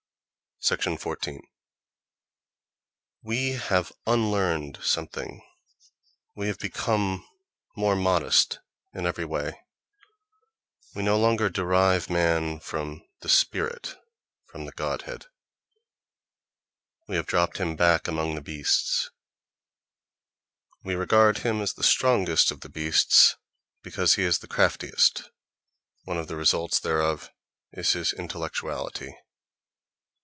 The lowest of the Hindu castes. 14. We have unlearned something. We have become more modest in every way. We no longer derive man from the "spirit," from the "godhead"; we have dropped him back among the beasts. We regard him as the strongest of the beasts because he is the craftiest; one of the re sults thereof is his intellectuality.